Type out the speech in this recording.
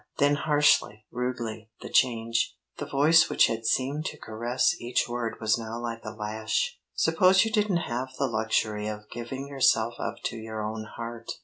Then harshly, rudely, the change; the voice which had seemed to caress each word was now like a lash. "Suppose you didn't have the luxury of giving yourself up to your own heart?